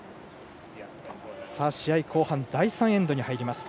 試合後半第３エンドに入ります。